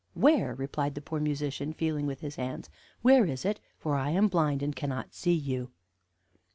"'Where?' replied the poor musician, feeling with his hands; 'where is it? For I am blind, and cannot see you.'